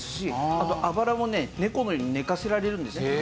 あとあばら骨猫のように寝かせられるんですね。